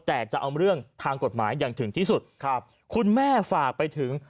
แต่จะเอาเรื่องทางกฎหมายอย่างถึงที่สุดครับคุณแม่ฝากไปถึง